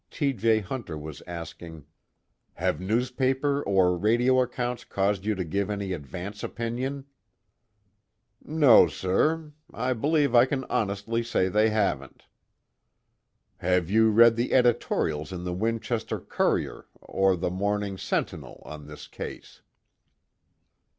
T. J. Hunter was asking: "Have newspaper or radio accounts caused you to give any advance opinion?" "No, sir, I b'lieve I can honestly say they haven't." "Have you read the editorials in the Winchester Courier or the morning Sentinel on this case?"